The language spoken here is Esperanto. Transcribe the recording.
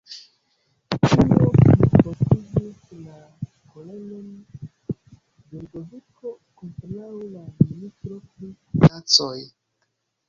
Tio plifortigis la koleron de Ludoviko kontraŭ la ministro pri financoj.